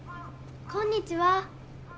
こんにちは。